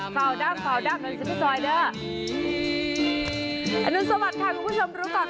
เฝ้าด้ำเฝ้าด้ำนอนซิมพิซอยเดอร์สวัสดีค่ะคุณผู้ชมรู้ก่อน